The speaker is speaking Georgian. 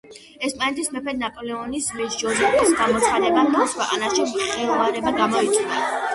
ესპანეთის მეფედ ნაპოლეონის ძმის, ჟოზეფის, გამოცხადებამ მთელს ქვეყანაში მღელვარება გამოიწვია.